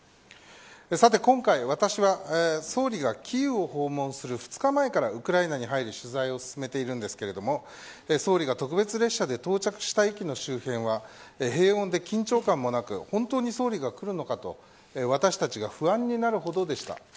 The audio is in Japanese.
今回、私は、総理がキーウを訪問する２日前からウクライナに入り取材を進めているのですが総理が特別列車で到着した駅の周辺は平穏で緊張感もなく本当に総理が来るのかと私たちが不安になるほどでした。